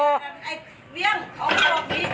บอกมันเขาจับมันหักไงมันต้นดัดไป